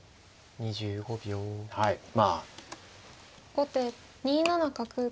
後手２七角。